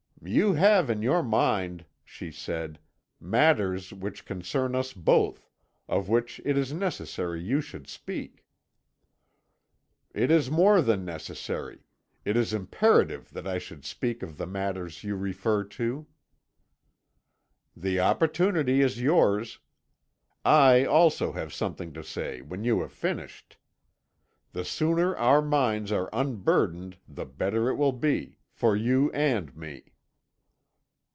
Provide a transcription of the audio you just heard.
"'You have in your mind,' she said, 'matters which concern us both, of which it is necessary you should speak.' "'It is more than necessary it is imperative that I should speak of the matters you refer to.' "'The opportunity is yours. I also have something to say when you have finished. The sooner our minds are unburdened the better it will be for you and me.'